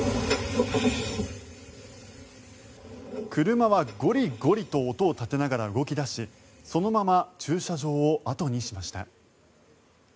車はゴリゴリと音を立てながら動き出しそのまま駐車場を後にしました。